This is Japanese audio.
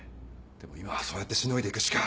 でも今はそうやってしのいでいくしか。